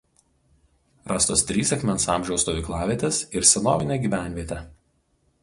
Rastos trys akmens amžiaus stovyklavietės ir senovinė gyvenvietė.